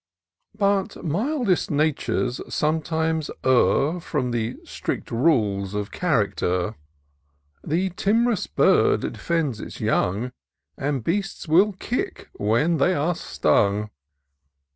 But mildest natures sometimes err From the strict rules of character : The tim'rous bird defends its young. And beasts will kick when they are stung.